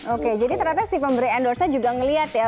oke jadi ternyata si pemberi endorse juga ngelihat ya